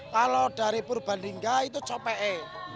kalau dari purbalingga itu copee